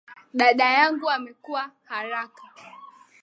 Dada yangu amekuwa kwa haraka.